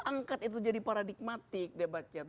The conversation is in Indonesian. angkat itu jadi paradigmatik debatnya